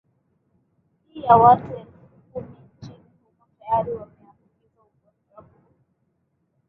i ya watu elfu kumi nchini humo tayari wameambukizwa ugonjwa huo